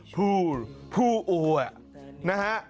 ภูลภูอ่วะนะฮะ